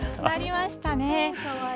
なりましたね。